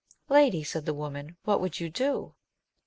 Lady, said the woman, what would you do